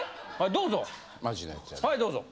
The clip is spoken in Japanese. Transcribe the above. はいどうぞ！